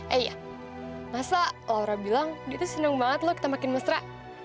eh iya masa laura bilang dia tuh seneng banget loh kita makin mesra